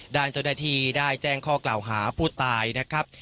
ด้านเจ้าหน้าที่ได้แจ้งข้อกล่าวหาผู้ตายนะครับ